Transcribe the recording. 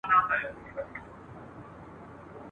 زموږ به نغري وي تش له اورونو ..